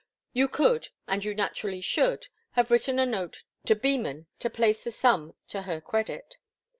You could, and you naturally should, have written a note to Beman to place the sum to her credit.